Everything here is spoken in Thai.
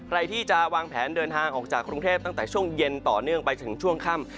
ใครที่จะวางแผนเดินทางออกจากกรุงเทพตั้งแต่ช่วงเย็นต่อเนื่องไปจนถึงช่วงค่ำ